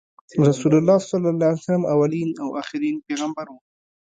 رسول الله ص اولین او اخرین پیغمبر وو۔